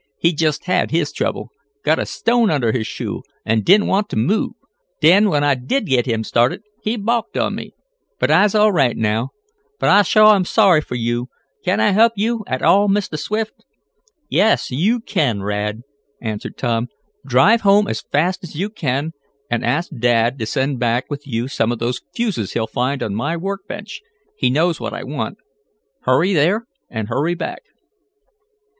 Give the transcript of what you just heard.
He jest had his trouble. Got a stone under his shoe, an' didn't want t' move. Den when I did git him started he balked on me. But I'se all right now. But I suah am sorry fo' you. Can't I help yo' all, Mistah Swift?" "Yes, you can, Rad," answered Tom. "Drive home as fast as you can, and ask Dad to send back with you some of those fuses he'll find on my work bench. He knows what I want. Hurry there and hurry back."